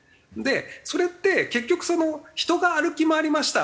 それって結局その人が歩き回りました